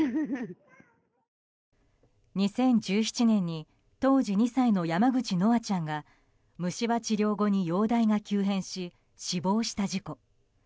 ２０１７年に当時２歳の山口叶愛ちゃんが虫歯治療後に容体が急変し死亡した事故。